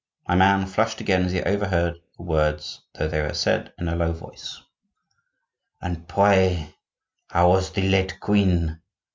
My man flushed again as he overheard the words, though they were said in a low voice. "And pray, how was the late queen?"